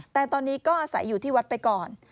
แต่ตอนนี้ก็อาศัยอยู่ที่วัดไปก่อน